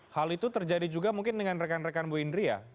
hal itu terjadi juga mungkin dengan rekan rekan bu indri ya